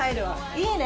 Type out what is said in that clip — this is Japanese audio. いいね！